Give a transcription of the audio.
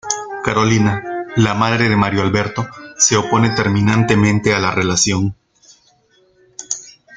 Carolina, la madre de Mario Alberto se opone terminantemente a la relación.